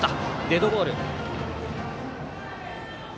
デッドボール。